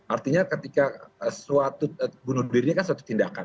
artinya ketika suatu bunuh dirinya kan suatu tindakan